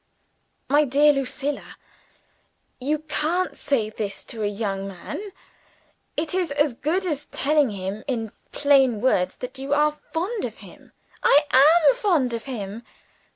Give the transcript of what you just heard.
"My dear Lucilla! you can't say this to a young man. It is as good as telling him, in plain words, that you are fond of him!" "I am fond of him."